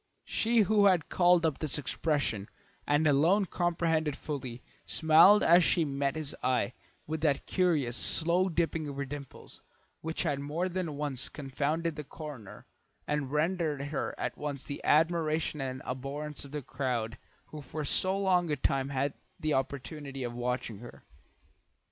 She who had called up this expression, and alone comprehended it fully, smiled as she met his eye, with that curious slow dipping of her dimples which had more than once confounded the coroner, and rendered her at once the admiration and abhorrence of the crowd who for so long a time had had the opportunity of watching her.